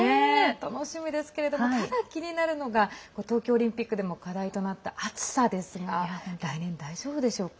楽しみですけれどもただ、気になるのが東京オリンピックでも課題となった暑さですが来年、大丈夫でしょうか？